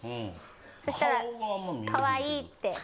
そしたらかわいいって。